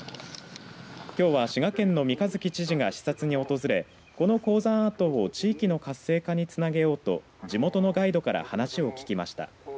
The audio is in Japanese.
きょうは滋賀県の三日月知事が視察に訪れこの鉱山跡を地域の活性化につなげようと地元のガイドから話を聞きました。